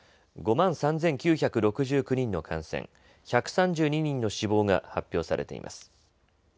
５万３９６９人の感染、１３２人の死亡が発表されています。